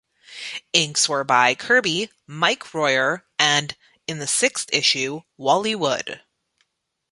Inks were by Kirby, Mike Royer and, in the sixth issue, Wally Wood.